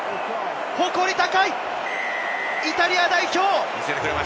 誇り高いイタリア代表！